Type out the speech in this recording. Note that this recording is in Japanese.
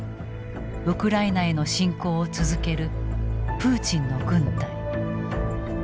ウクライナへの侵攻を続ける「プーチンの軍隊」。